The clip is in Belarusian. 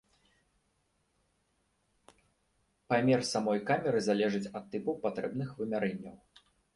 Памер самой камеры залежыць ад тыпу патрэбных вымярэнняў.